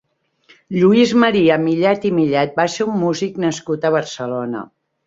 Lluís Maria Millet i Millet va ser un músic nascut a Barcelona.